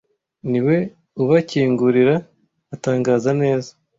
niwe ubakingurira atangaza neza